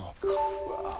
うわ。